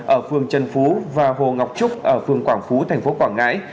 ở phường trần phú và hồ ngọc trúc ở phường quảng phú thành phố quảng ngãi